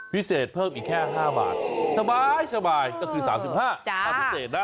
พิเศษเพิ่มอีกแค่๕บาทสบายก็คือ๓๕บาท